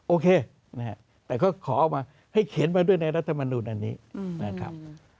โอเคแต่เขาขอมาให้เข็นมาด้วยในรัฐมนุนอันนี้นะครับ